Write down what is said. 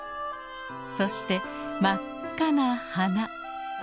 そして真っ赤な花。